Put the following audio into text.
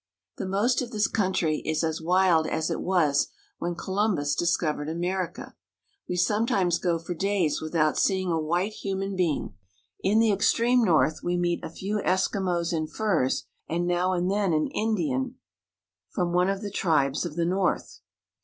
The most of the country is as wild as it was when Columbus discovered America. We sometimes go for days without seeing a white human being. In the ex treme north we meet a few Eskimos in furs, and now and then an Indian from one of the tribes of the North.